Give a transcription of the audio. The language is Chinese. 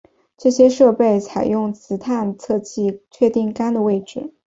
这些设备通常采用磁探测器确定杆的位置。